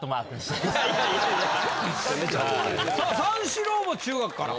さあ三四郎も中学から。